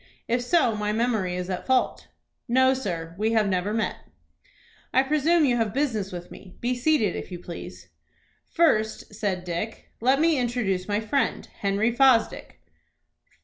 If so, my memory is at fault." "No, sir, we have never met." "I presume you have business with me. Be seated, if you please." "First," said Dick, "let me introduce my friend Henry Fosdick."